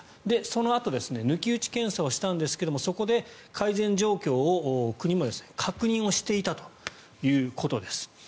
そのあと抜き打ち検査をしたんですがそこで改善状況を国も確認していたということです。